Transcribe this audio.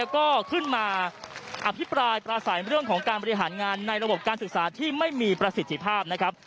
ก็ขึ้นมาอภิปรายปราศัยเรื่องของการบริหารงานในระบบการศึกษาที่ไม่มีประสิทธิภาพนะครับ